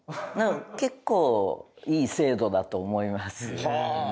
結構いい精度だと思います。